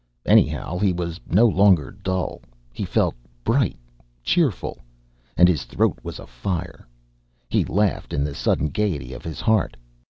Anyhow, he was no longer dull he felt bright, cheerful. And his throat was afire. He laughed in the sudden gaiety of his heart.